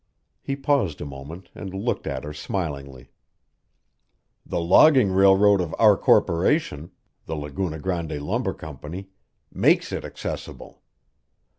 He paused a moment and looked at her smilingly, "The logging railroad of our corporation, the Laguna Grande Lumber Company, makes it accessible.